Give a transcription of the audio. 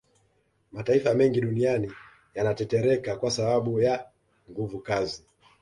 Mataifa mengi duniani yanatetereka kwasababu ya nguvukazi